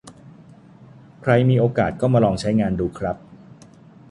ใครมีโอกาสก็มาลองใช้งานดูครับ